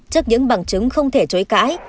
trước những bằng chứng không thể chối cãi